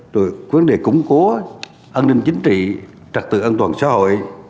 được vấn đề củng cố an ninh chính trị trật tự an toàn xã hội